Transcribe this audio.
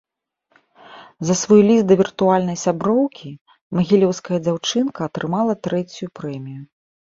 За свой ліст да віртуальнай сяброўкі магілёўская дзяўчынка атрымала трэцюю прэмію.